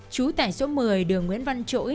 chú tại số một mươi đường nguyễn văn trỗi